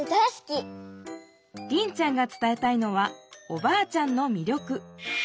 リンちゃんが伝えたいのはおばあちゃんのみりょく。